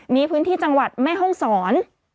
มีพื้นที่จังหวัดแม่ห้องศร